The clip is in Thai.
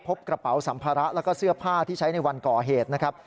พบกระเป๋าสัมภาระแล้วก็เสื้อผ้าที่ใช้ในวันก่อเหตุนะครับ